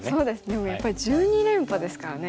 でもやっぱり１２連覇ですからね。